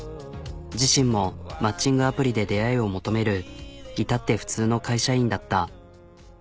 自身もマッチングアプリで出会いを求める至って普通の会社員だった。